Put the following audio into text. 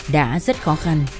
đã rất khó khăn